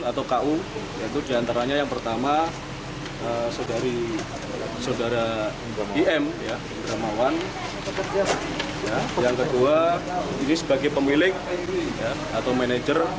atau ku yaitu diantaranya yang pertama saudara im dramawan yang kedua ini sebagai pemilik atau manajer